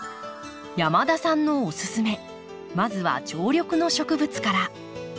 山田さんのおすすめまずは常緑の植物から。